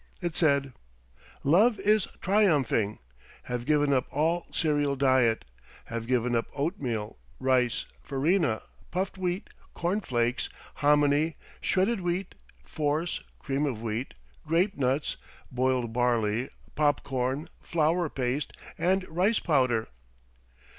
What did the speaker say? It said: Love is triumphing. Have given up all cereal diet. Have given up oatmeal, rice, farina, puffed wheat, corn flakes, hominy, shredded wheat, force, cream of wheat, grapenuts, boiled barley, popcorn, flour paste, and rice powder.